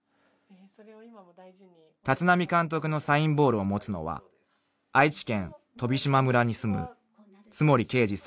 ［立浪監督のサインボールを持つのは愛知県飛島村に住む］